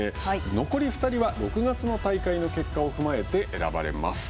残り２人は６月の大会の結果を踏まえて選ばれます。